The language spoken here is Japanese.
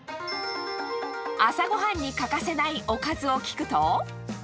朝ごはんに欠かせないおかずを聞くと。